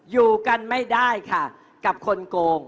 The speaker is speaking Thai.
อยู่กันไม่ได้ค่ะกับคนโกง